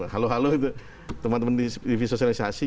halo halo itu teman teman di socialisasi